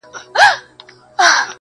تا ته چي درځمه له اغیار سره مي نه لګي؛